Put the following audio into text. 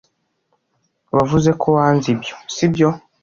Wavuze ko wanze ibyo, sibyo?